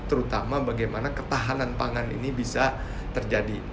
terutama bagaimana ketahanan pangan ini bisa terjadi